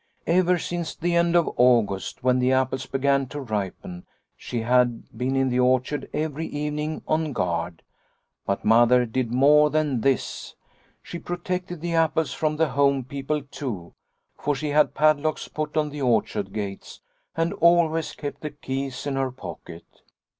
Ever since the end of August, when the apples began to ripen, she had been in the orchard every evening on guard. " But Mother did more than this. She pro tected the apples from the home people too, for she had padlocks put on the orchard gates and always kept the keys in her pocket.